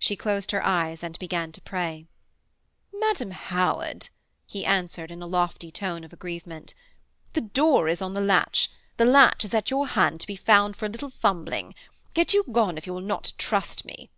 She closed her eyes and began to pray. 'Madam Howard,' he answered, in a lofty tone of aggrievement, 'the door is on the latch: the latch is at your hand to be found for a little fumbling: get you gone if you will not trust me.'